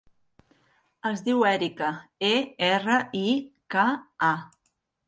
Es diu Erika: e, erra, i, ca, a.